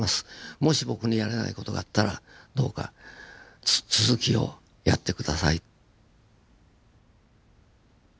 もし僕にやれない事があったらどうか続きをやって下さい。